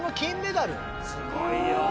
すごいよ。